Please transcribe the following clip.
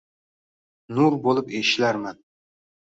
Nur boʼlib eshilarman